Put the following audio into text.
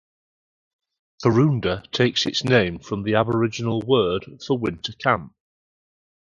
Karoonda takes its name from the Aboriginal word for "winter camp".